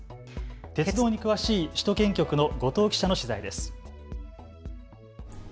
鉄道に詳しい首都圏局の後藤記者の取材です。